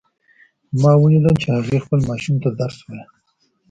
ما ولیدل چې هغې خپل ماشوم ته درس وایه